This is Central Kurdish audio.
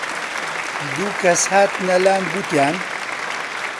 دوو کەس هاتنە لام گوتیان: